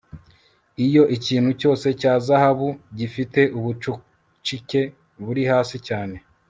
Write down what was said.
iyo ikintu cyose cya zahabu gifite ubucucike buri hasi cyane